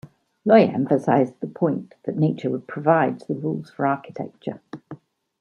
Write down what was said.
Laugier emphasised the point that nature provides the rules for architecture.